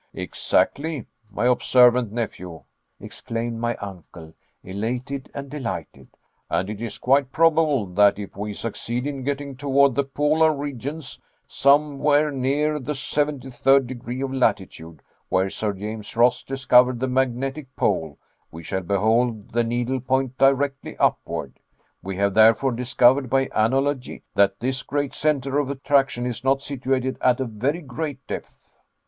"Exactly, my observant nephew," exclaimed my uncle, elated and delighted, "and it is quite probable that if we succeed in getting toward the polar regions somewhere near the seventy third degree of latitude, where Sir James Ross discovered the magnetic pole, we shall behold the needle point directly upward. We have therefore discovered by analogy, that this great centre of attraction is not situated at a very great depth."